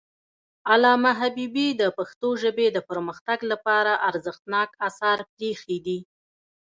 علامه حبيبي د پښتو ژبې د پرمختګ لپاره ارزښتناک آثار پریښي دي.